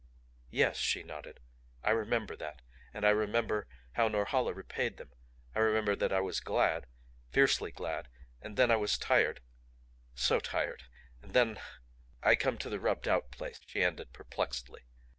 "Yes," she nodded, "I remember that. And I remember how Norhala repaid them. I remember that I was glad, fiercely glad, and then I was tired so tired. And then I come to the rubbed out place," she ended perplexedly.